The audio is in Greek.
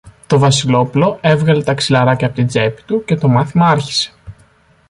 Το Βασιλόπουλο έβγαλε τα ξυλαράκια από την τσέπη του και το μάθημα άρχισε.